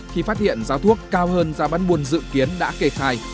khi phát hiện giá thuốc cao hơn giá bán buôn dự kiến đã kề khai